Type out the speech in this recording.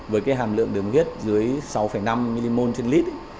với cái hàm lượng đường huyết dưới sáu năm mmol trên lít